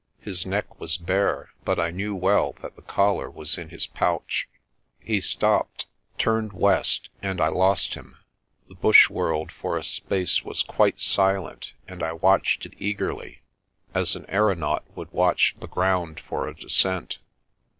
His neck was bare but I knew well that the collar was in his pouch. He stopped, turned west, and I lost him. The bush world for a space was quite silent and I watched it eagerly as an aeronaut would watch the ground for a descent.